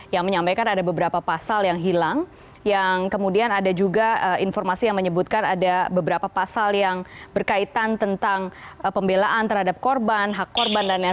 yang menyampaikan ada beberapa pasal yang hilang yang kemudian ada juga informasi yang menyebutkan ada beberapa pasal yang berkaitan tentang pembelaan terhadap korban hak korban dan lain lain